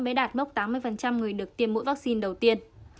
mới đạt mốc tám mươi người được tiêm mũi vaccine đầu tiên